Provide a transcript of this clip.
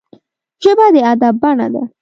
ژبه د ادب بڼه ده